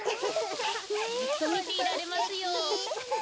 ずっとみていられますよ。